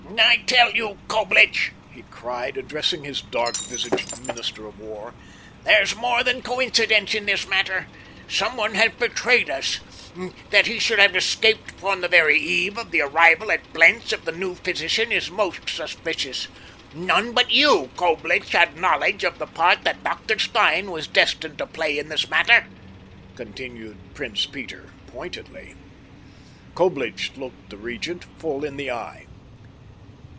"I tell you, Coblich," he cried, addressing his dark visaged minister of war, "there's more than coincidence in this matter. Someone has betrayed us. That he should have escaped upon the very eve of the arrival at Blentz of the new physician is most suspicious. None but you, Coblich, had knowledge of the part that Dr. Stein was destined to play in this matter," concluded Prince Peter pointedly. Coblich looked the Regent full in the eye.